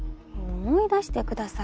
思い出してください。